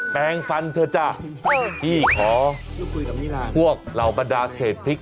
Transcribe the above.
แปลงฟันเถอะจ้ะที่ขอพวกเราบัดดาเสร็จพริก